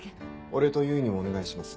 俺と唯にもお願いします。